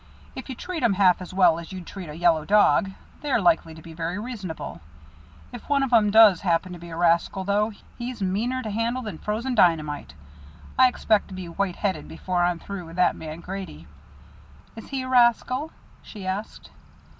"If you treat 'em half as well as you'd treat a yellow dog, they're likely to be very reasonable. If one of 'em does happen to be a rascal, though, he's meaner to handle than frozen dynamite. I expect to be white headed before I'm through with that man Grady." "Is he a rascal?" she asked.